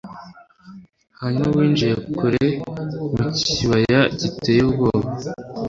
hanyuma winjire kure mu kibaya giteye ubwoba